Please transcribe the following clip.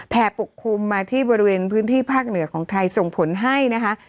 ปกคลุมมาที่บริเวณพื้นที่ภาคเหนือของไทยส่งผลให้นะคะ